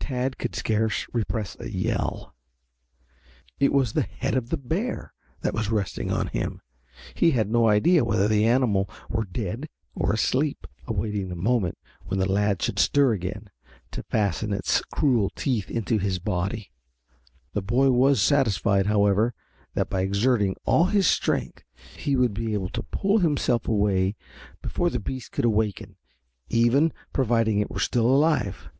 Tad could scarce repress a yell. It was the head of the bear that was resting on him, and he had no idea whether the animal were dead or asleep, awaiting the moment when the lad should stir again to fasten its cruel teeth into his body. The boy was satisfied, however, that by exerting all his strength he would be able to pull himself away before the beast could awaken, even, providing it were still alive.